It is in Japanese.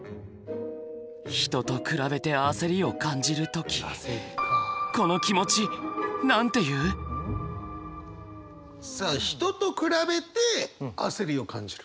人と比べて焦りを感じる時さあ人と比べて焦りを感じる。